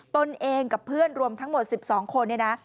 ตนเองกับเพื่อนรวมทั้งหมด๑๒คนเนี่ยนะ